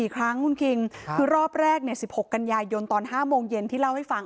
๔ครั้งคุณคิงคือรอบแรก๑๖กันยายนตอน๕โมงเย็นที่เล่าให้ฟัง